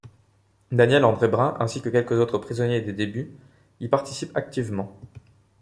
Daniel André Brun, ainsi que quelques autres pionniers des débuts, y participe activement.